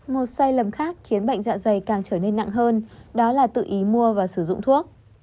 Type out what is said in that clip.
một sai lầm khác khiến bệnh dạ dày càng trở nên nặng hơn đó là tự ý mua và sử dụng thuốc